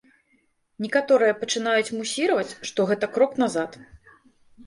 Некаторыя пачынаюць мусіраваць, што гэта крок назад.